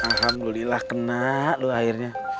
alhamdulillah kena lu akhirnya